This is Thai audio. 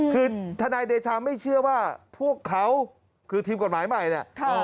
คือทนายเดชาไม่เชื่อว่าพวกเขาคือทีมกฎหมายใหม่เนี่ย